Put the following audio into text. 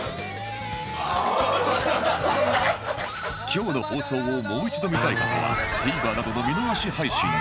今日の放送をもう一度見たい方は ＴＶｅｒ などの見逃し配信で